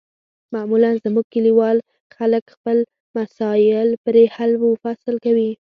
معمولا زموږ کلیوال خلک خپل مسایل پرې حل و فصل کوي.